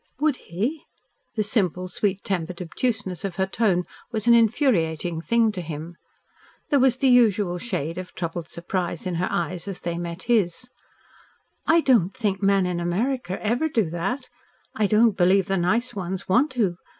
"Would he?" The simple, sweet tempered obtuseness of her tone was an infuriating thing to him. There was the usual shade of troubled surprise in her eyes as they met his. "I don't think men in America ever do that. I don't believe the nice ones want to.